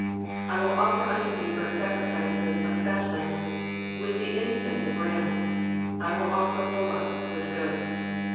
187 15 I will offer unto thee burnt sacrifices of fatlings, with the incense of rams ; I will offer bullocks with goats.